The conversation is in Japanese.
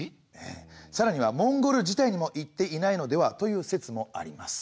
さらにはモンゴル自体にも行っていないのではという説もあります。